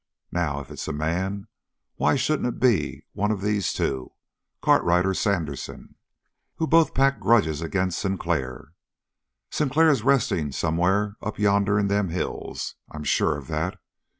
Now, if it's a man, why shouldn't it be one of these two, Cartwright or Sandersen, who both pack a grudge against Sinclair? Sinclair is resting somewhere up yonder in them hills. I'm sure of that.